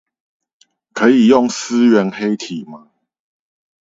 可以用思源黑體嗎